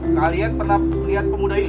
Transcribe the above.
kalian pernah melihat pemuda ini